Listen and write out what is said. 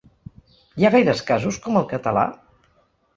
Hi ha gaires casos com el català?